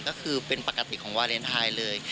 ก็คือเป็นปกติของวาเลนไทยเลย